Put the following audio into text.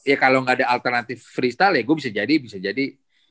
ya kalau gak ada alternatif freestyle ya gue bisa jadi bisa jadi